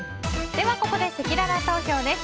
ここで、せきらら投票です。